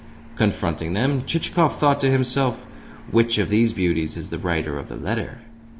Confronting them, Chichikov thought to himself: "Which of these beauties is the writer of the letter?"